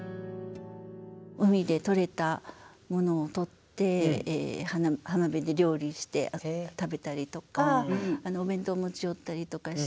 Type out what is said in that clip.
海でとれたものをとって浜辺で料理して食べたりとかお弁当を持ち寄ったりとかして。